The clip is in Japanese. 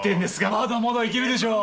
まだまだいけるでしょう。